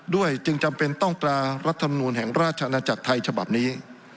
จึงจำเป็นต้องแปลรัฐธรรมนูลแห่งราชอาณาจักรไทยฉบับนี้